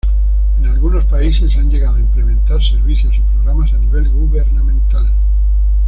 En algunos países se han llegado a implementar servicios y programas a nivel gubernamental.